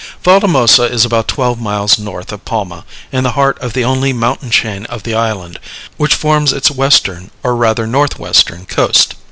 Valdemosa is about twelve miles north of Palma, in the heart of the only mountain chain of the island, which forms its western, or rather northwestern coast.